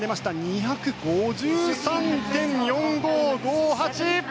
２５３．４５５８！